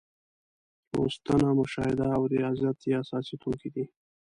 لوستنه، مشاهده او ریاضت یې اساسي توکي دي.